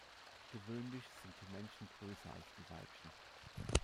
Gewöhnlich sind die Männchen größer als die Weibchen.